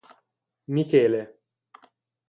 Michele.